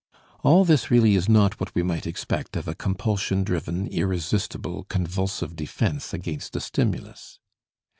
All this really is not what we might expect of a compulsion driven, irresistible, convulsive defense against a stimulus.